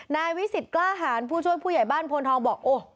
นายวิสิตกล้าหารผู้ช่วยผู้ใหญ่บ้านพลทองบอก